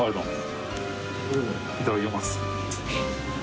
いただきます。